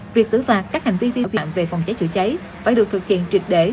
việc xử phạt các hành vi vi phạm về phòng cháy chữa cháy phải được thực hiện triệt để